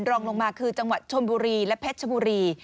รองลงมาคือจังหวัดชนบุรีและเพชรชบุรี